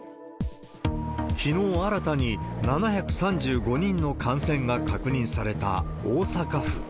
きのう、新たに７３５人の感染が確認された大阪府。